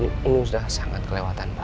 pak maaf pak ini ini sudah sangat kelewatan pak